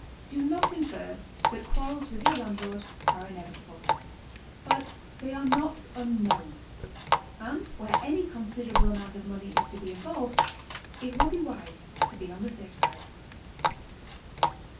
D.o not infer that quarrels with your landlord are inevitable; but they are not unknown, and where any considerable amount of money is to be involved, it will be wise to be on the safe side.